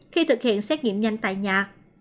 khi thực hiện xét nghiệm nhanh tại nhà